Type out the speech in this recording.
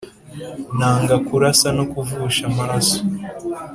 Nanga kurasa no kuvusha amaraso